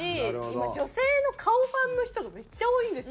今女性の顔ファンの人がめっちゃ多いんですよ